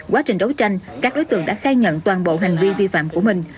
quá trình đấu tranh các đối tượng đã khai nhận toàn bộ hành vi vi phạm của mình